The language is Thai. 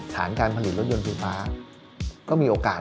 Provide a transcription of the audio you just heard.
ฐานการผลิตรถยนต์ไฟฟ้าก็มีโอกาส